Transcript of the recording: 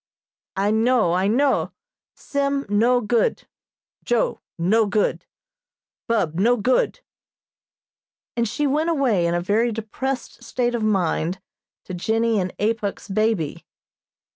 "I know, I know, Sim no good Joe no good Bub no good," and she went away in a very depressed state of mind to Jennie and Apuk's baby.